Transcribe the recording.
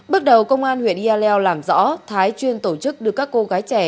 bước đầu công an huyện yaleo làm rõ thái chuyên tổ chức đưa các cô gái trẻ